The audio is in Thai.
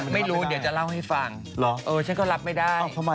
ไม่รู้เดี๋ยวจะเล่าให้ฟังเหรอเออฉันก็รับไม่ได้